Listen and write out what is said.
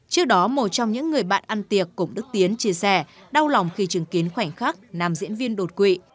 trước đó một trong những người bạn ăn tiệc cùng đức tiến chia sẻ đau lòng khi chứng kiến khoảnh khắc nam diễn viên đột quỵ